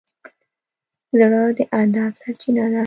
زړه د ادب سرچینه ده.